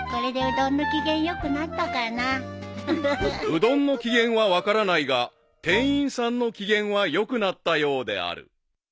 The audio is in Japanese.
［うどんの機嫌は分からないが店員さんの機嫌は良くなったようである］